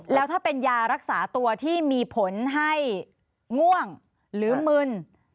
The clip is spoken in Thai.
แล้วถ้าเป็นยารักษาตัวที่มีผลให้ง่วงหรือมึน